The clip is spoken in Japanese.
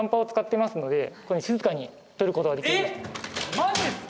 マジですか！